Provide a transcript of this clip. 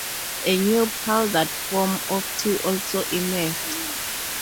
A new powdered form of tea also emerged.